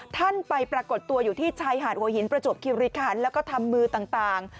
ท่านไปปรากฏตัวอยู่ที่ชายหาดหัวหินประจวบคิวริคันแล้วก็ทำมือต่าง